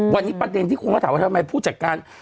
วันนี้ประเด็นที่คนก็ถามว่าทำไมผู้จัดการ